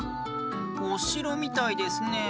おしろみたいですねえ。